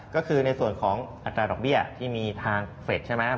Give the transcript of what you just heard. ก็คือในส่วนของอัตราดอกเบี้ยที่มีทางเฟสใช่ไหม